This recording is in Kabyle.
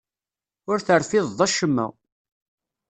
Ur terfideḍ acemma.